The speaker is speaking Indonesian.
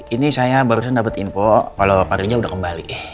ini saya baru saja dapat info kalau pak rizal sudah kembali